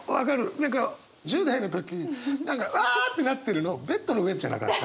何か１０代の時何かわってなってるのベッドの上じゃなかった？